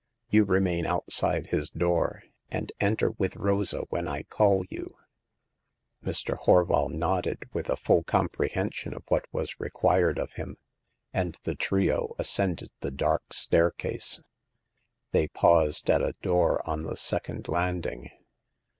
You remain outside his door, and enter with Rosa when I call you " Mr. Horval nodded, with a full comprehension of what was required of him, and the trio as cended the dark staircase. They paused at a door on the second landing.